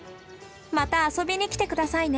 また遊びに来て下さいね。